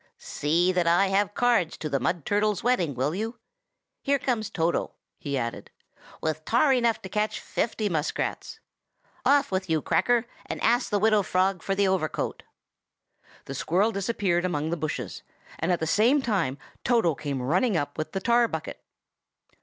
"See that I have cards to the Mud Turtle's wedding, will you? Here comes Toto," he added, "with tar enough to catch fifty muskrats. Off with you, Cracker, and ask the Widow Frog for the overcoat." The squirrel disappeared among the bushes, and at the same time Toto came running up with the tar bucket.